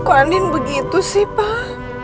kuanin begitu sih pak